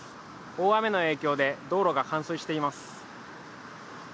大雨の影響で道路が冠水しています。